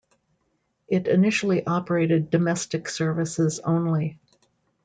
It initially operated domestic services only.